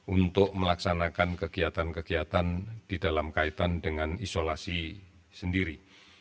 untuk melaksanakan kegiatan kegiatan di dalam kaitan dengan isolasi sendiri